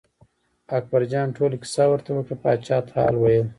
اکبرجان ټوله کیسه ورته وکړه پاچا ته حال ویل.